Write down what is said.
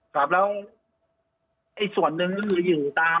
ครับแล้วอีกส่วนหนึ่งก็คืออยู่ตาม